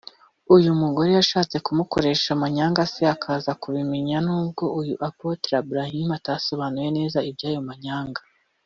uyu mugore yashatse kumukoresha amanyanga se akaza kubimenya n’ubwo uyu Apotre Ibrahim atasobanuye neza iby’ayo manyanga